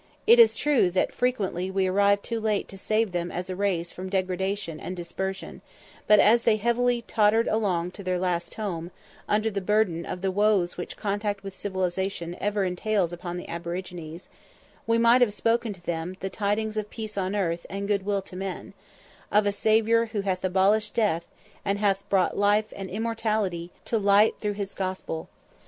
It is true that frequently we arrived too late to save them as a race from degradation and dispersion; but as they heavily tottered along to their last home, under the burden of the woes which contact with civilization ever entails upon the aborigines, we might have spoken to them the tidings of "peace on earth and good will to men" of a Saviour "who hath abolished death, and hath brought life and immortality to light through his gospel."